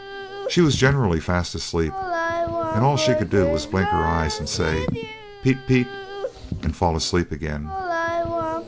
She was generally fast asleep, and all she could do was to blink her eyes, and say, "Peet, peet," and fall asleep again.